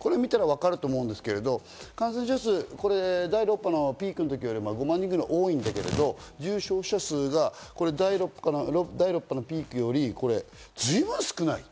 これを見たらわかると思うんですけど、感染者数が第６波のピークの時より５万人ぐらい多いんだけど重症者数が第６波のピークより随分少ない。